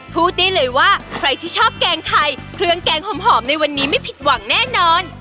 พูดได้เลยว่าใครที่ชอบแกงไทยเครื่องแกงหอมในวันนี้ไม่ผิดหวังแน่นอน